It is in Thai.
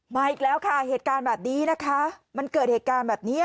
มาอีกแล้วค่ะเหตุการณ์แบบนี้นะคะมันเกิดเหตุการณ์แบบนี้